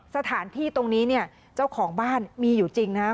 สถานที่ตรงนี้เนี่ยเจ้าของบ้านมีอยู่จริงนะครับ